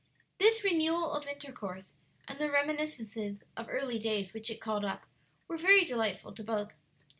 This renewal of intercourse, and the reminiscences of early days which it called up, were very delightful to both.